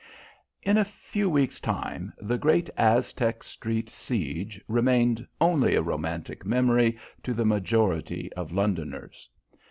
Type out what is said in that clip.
In a few weeks' time the great Aztec Street siege remained only a romantic memory to the majority of Londoners.